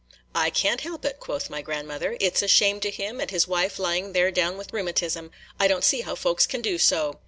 "I can't help it," quoth my grandmother; "it 's a shame to him, and his wife lying there down with rheumatism. I don't see how folks can do so."